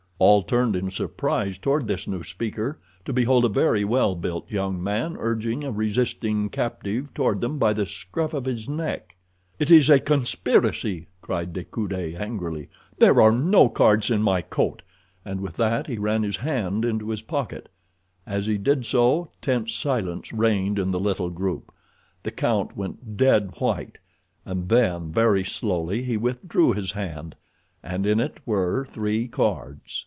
All turned in surprise toward this new speaker, to behold a very well built young man urging a resisting captive toward them by the scruff of his neck. "It is a conspiracy," cried De Coude angrily. "There are no cards in my coat," and with that he ran his hand into his pocket. As he did so tense silence reigned in the little group. The count went dead white, and then very slowly he withdrew his hand, and in it were three cards.